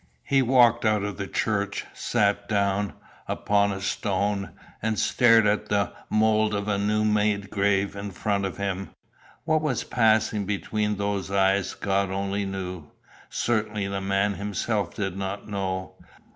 He walked out of the church, sat down, upon a stone, and stared at the mould of a new made grave in front of him. What was passing behind those eyes God only knew certainly the man himself did not know.